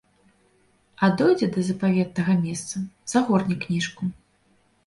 А дойдзе да запаветнага месца, загорне кніжку.